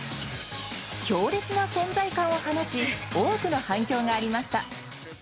強烈な存在感を放ち多くの反響がありました。